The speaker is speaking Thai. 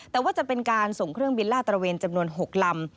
แต่ว่าจะเป็นการส่งเครื่องบินลาดตระเวนจำนวน๖ลำ